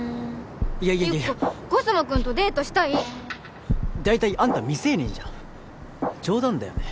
いやいやいやゆっこコスモくんとデートしたい大体あんた未成年じゃん冗談だよね？